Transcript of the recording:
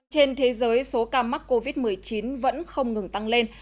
trên thế giới số ca mắc covid một mươi chín vẫn không ngừng tăng lên